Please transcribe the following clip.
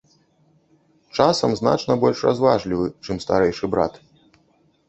Часам значна больш разважлівы, чым старэйшы брат.